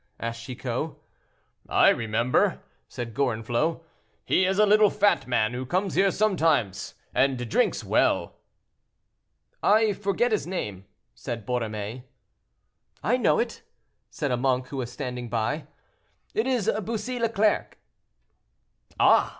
asked Chicot. "I remember," said Gorenflot; "he is a little fat man who comes here sometimes and drinks well." "I forget his name," said Borromée. "I know it," said a monk who was standing by. "It is Bussy Leclerc." "Ah!